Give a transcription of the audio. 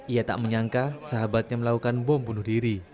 ia tak menyangka sahabatnya melakukan bom bunuh diri